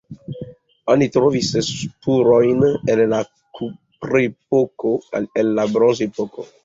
Oni trovis spurojn el la kuprepoko, el la bronzepoko.